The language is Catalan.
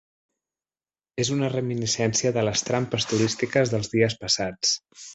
És una reminiscència de les trampes turístiques dels dies passats.